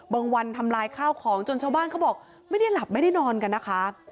วันทำลายข้าวของจนชาวบ้านเขาบอกไม่ได้หลับไม่ได้นอนกันนะคะ